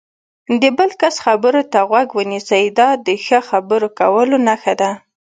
د بل کس خبرو ته غوږ ونیسئ، دا د ښه خبرو کولو نښه ده.